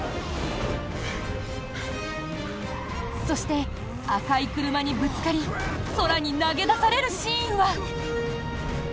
そして、赤い車にぶつかり空に投げ出されるシーンは。